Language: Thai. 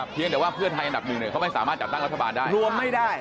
เพียงแต่ว่าเพื่อนไทยอันดับ๑เขาไม่สามารถจัดตั้งรัฐบาลได้